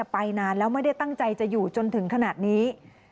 ไปนานแล้วไม่ได้ตั้งใจจะอยู่จนถึงขนาดนี้